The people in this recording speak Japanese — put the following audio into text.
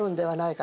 か